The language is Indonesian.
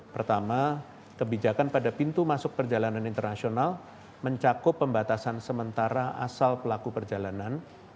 pertama kebijakan pada pintu masuk perjalanan internasional mencakup pembatasan sementara asal pelaku perjalanan